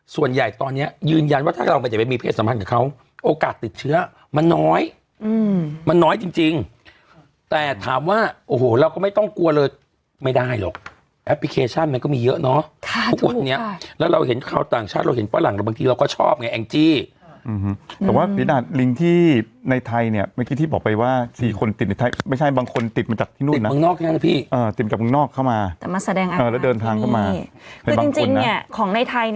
ส่วนใหญ่ตอนเนี้ยยืนยันว่าถ้าเราก็จะไปมีเพศสัมพันธ์กับเขาโอกาสติดเชื้อมันน้อยอืมมันน้อยจริงจริงแต่ถามว่าโอ้โหเราก็ไม่ต้องกลัวเลยไม่ได้หรอกแอปพลิเคชันมันก็มีเยอะเนอะค่ะทุกวันนี้แล้วเราเห็นข่าวต่างชาติเราเห็นฝรั่งเราบางทีเราก็ชอบไงแองจี้อืมหือแต่ว่าพินาศลิงค์ที่ในไทย